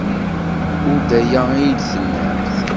Ur d aya ay d-tennamt.